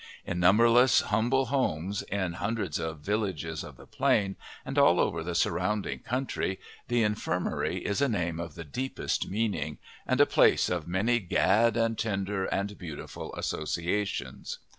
In numberless humble homes, in hundreds of villages of the Plain, and all over the surrounding country, the "Infirmary" is a name of the deepest meaning, and a place of many gad and tender and beautiful associations.